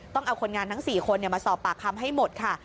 ต้องเอาคนงานทั้ง๔คนมาสอบปากคำให้หมดค่ะ